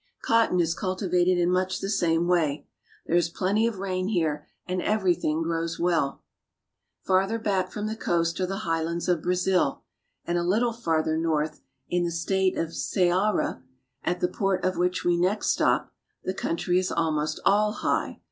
Cotton is cultivated in much the same way. There is plenty of rain here, and everything grows well. ALONG THE COAST. 295 Farther back from the coast are the highlands of Brazil, and a little farther north, in the state of Ceara (sa a ra'), at the port of which we next stop, the country is almost all high.